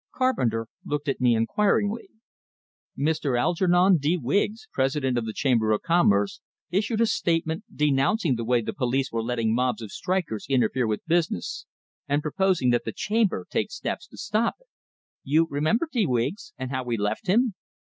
Carpenter looked at me inquiringly. "Mr. Algernon de Wiggs, president of the Chamber of Commerce, issued a statement denouncing the way the police were letting mobs of strikers interfere with business, and proposing that the Chamber take steps to stop it. You remember de Wiggs, and how we left him?"